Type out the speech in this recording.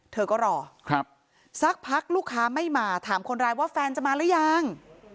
เธอก็รอสักพักลูกค้าไม่มาถามคนร้ายว่าแฟนจะมาหรือยัง